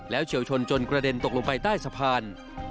เฉียวชนจนกระเด็นตกลงไปใต้สะพาน